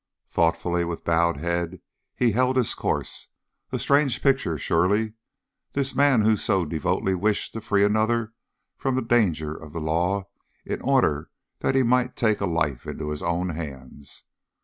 Thoughtfully, with bowed head, he held his course. A strange picture, surely, this man who so devoutly wished to free another from the danger of the law in order that he might take a life into his own hands.